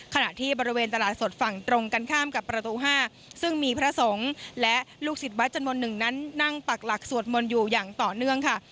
ขณะที่บริเวณตลาดสดฝั่งตรงกันข้ามกับประตู๕ซึ่งมีพระสงฆ์และลูกศิษย์วัดจำนวนหนึ่งนั้นนั่งปักหลักสวดมนต์อยู่อย่างต่อเนื่องค่ะ